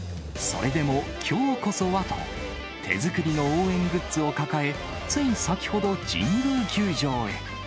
それでも、きょうこそはと手作りの応援グッズを抱え、つい先ほど、神宮球場へ。